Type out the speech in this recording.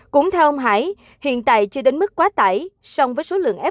cũng theo ông hải hiện tại chưa đến mức quá tải